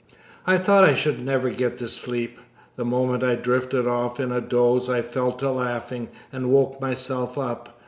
I thought I should never get to sleep. The moment I drifted off in a doze I fell to laughing and woke myself up.